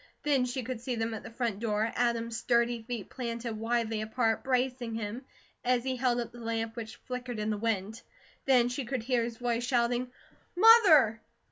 Then she could see them at the front door, Adam's sturdy feet planted widely apart, bracing him, as he held up the lamp which flickered in the wind. Then she could hear his voice shouting: "Mother!"